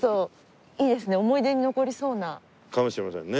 かもしれませんね。